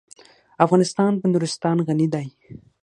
افغانستان په نورستان غني دی.